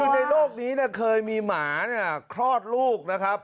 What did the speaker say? คือในโลกนี้เคยมีหมาคลอดลูกนะครับ